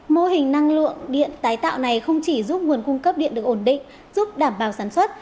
mô hình năng lượng điện tái tạo này không chỉ giúp nguồn cung cấp điện được ổn định giúp đảm bảo sản xuất